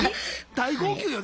大号泣よね。